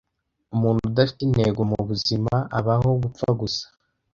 Umuntu udafite intego mubuzima, abaho gupfa gusa.